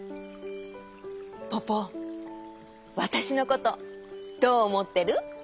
ポポわたしのことどうおもってる？